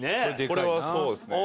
これはそうですね。